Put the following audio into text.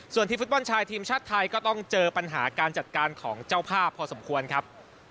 ส่วนทีมฟุตบอลชายทีมชาติไทยก็ต้องเจอปัญหาการจัดการของเจ้าภาพพอสมควรครับ